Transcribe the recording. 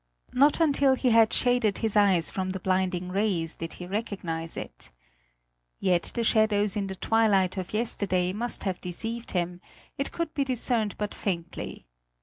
Not until he had shaded his eyes from the blinding rays, did he recognise it. Yet the shadows in the twilight of yesterday must have deceived him: it could be discerned but faintly.